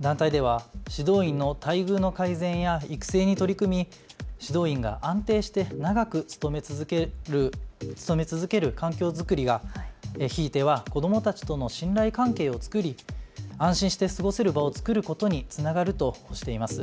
団体では指導員の待遇の改善や育成に取り組み指導員が安定して長く勤め続ける環境作りがひいては子どもたちとの信頼関係を作り安心して過ごせる場を作ることにつながるとしています。